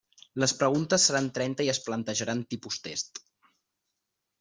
Les preguntes seran trenta i es plantejaran tipus test.